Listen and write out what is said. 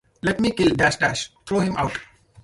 "Let me kill ——" "Throw him out!"